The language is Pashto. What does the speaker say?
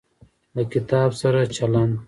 له کتاب سره چلند